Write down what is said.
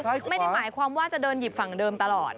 ไม่ได้หมายความว่าจะเดินหยิบฝั่งเดิมตลอด